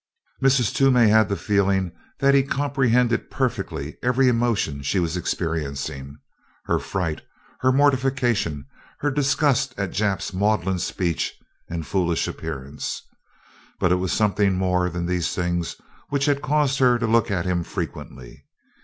Mrs. Toomey had the feeling that he comprehended perfectly every emotion she was experiencing her fright, her mortification, her disgust at Jap's maudlin speech and foolish appearance. But it was something more than these things which had caused her to look at him frequently.